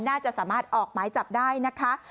น่าจะสามารถออกหมายจับได้นะคะ